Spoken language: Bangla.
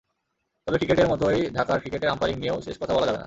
তবে ক্রিকেটের মতোই ঢাকার ক্রিকেটের আম্পায়ারিং নিয়েও শেষ কথা বলা যাবে না।